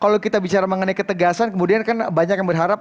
kalau kita bicara mengenai ketegasan kemudian kan banyak yang berharap